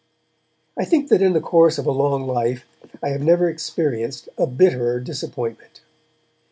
I think that in the course of a long life I have never experienced a bitterer disappointment.